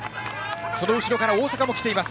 その後ろから大阪も来ています。